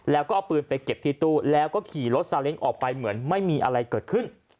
แล้วก็เอาปืนไปเก็บที่ตู้แล้วก็ขี่รถซาเล้งออกไปเหมือนไม่มีอะไรเกิดขึ้น